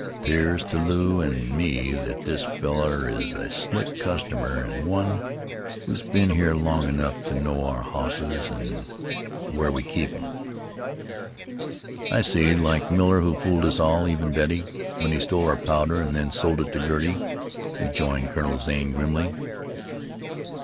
"'Pears to Lew an' me that this fellar is a slick customer, an' one who's been here long enough to know our hosses an' where we keep them." "I see. Like Miller, who fooled us all, even Betty, when he stole our powder and then sold us to Girty," rejoined Colonel Zane grimly.